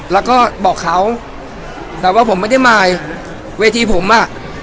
แล้วก็บอกเขาแต่ว่าผมไม่ได้มายเวทีผมอ่ะ